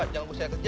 jangan usah kerja